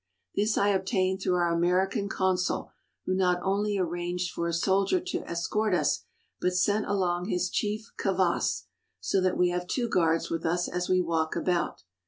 This I obtained through our American consul, who not only arranged for a soldier to escort us, but sent along his chief kavass, so that we have two guards with us as we walk about.